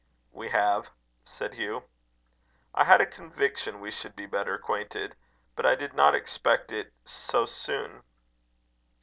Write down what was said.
"We have," said Hugh. "I had a conviction we should be better acquainted, but I did not expect it so soon."